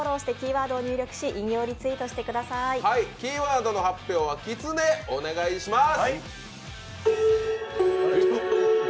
キーワードの発表はきつね、お願いします。